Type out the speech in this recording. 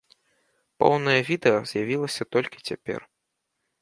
Поўнае відэа з'явілася толькі цяпер.